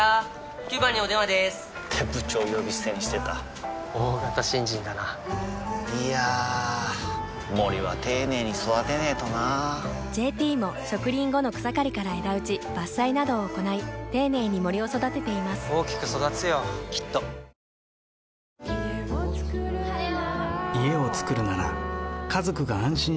９番にお電話でーす！って部長呼び捨てにしてた大型新人だないやー森は丁寧に育てないとな「ＪＴ」も植林後の草刈りから枝打ち伐採などを行い丁寧に森を育てています大きく育つよきっとやってくれたのう。